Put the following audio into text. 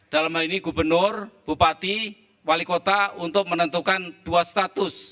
dalam hal ini gubernur bupati wali kota untuk menentukan dua status